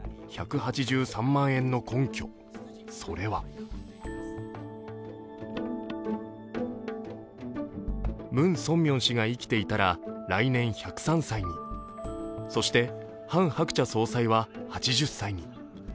１８３万円の根拠、それはムン・ソンミョン氏が生きていたら来年１０３歳に、そしてハン・ハクチャ総裁は８０歳に。